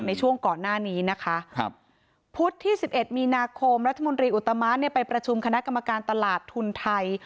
ในช่วงก่อนหน้านี้นะคะครับพุธที่๑๑มีนาคมรัฐมนตรีอุตมะเนี่ยไปประชุมคณะกรรมการตลาดทุนไทย